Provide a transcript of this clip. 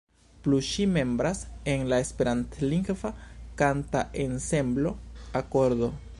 Plu ŝi membras en la esperantlingva kanta ensemblo Akordo.